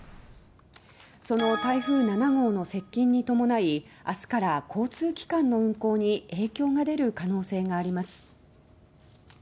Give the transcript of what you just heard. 台風７号の接近に伴い明日から交通機関の運航に影響が出る可能性があります。